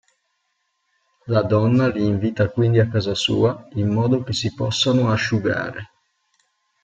La donna li invita quindi a casa sua, in modo che si possano asciugare.